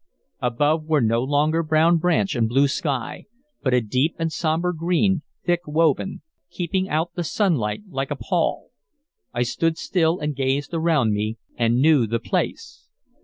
Above were no longer brown branch and blue sky, but a deep and sombre green, thick woven, keeping out the sunlight like a pall. I stood still and gazed around me, and knew the place.